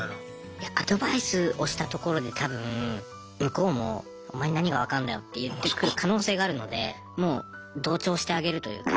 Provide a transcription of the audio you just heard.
いやアドバイスをしたところで多分向こうも「お前に何が分かるんだよ」って言ってくる可能性があるのでもう同調してあげるというか。